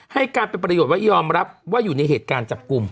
ให้การเป็นประโยชน์ว่ายอมรับว่าอยู่ในเหตุการณ์จับกลุ่ม